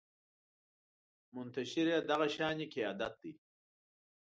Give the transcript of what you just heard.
منتشر يې دغه شانې قیادت دی